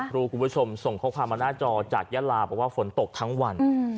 คุณผู้ชมส่งข้อความมาหน้าจอจากยาลาบอกว่าฝนตกทั้งวัน